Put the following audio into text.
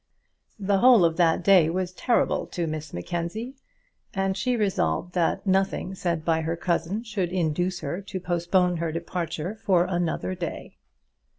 The whole of that day was terrible to Miss Mackenzie, and she resolved that nothing said by her cousin should induce her to postpone her departure for another day.